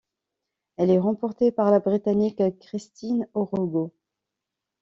Elle est remportée par la Britannique Christine Ohuruogu.